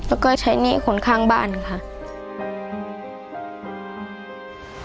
แล้วก็ใช้หนี้กล่องข้างบ้านครับ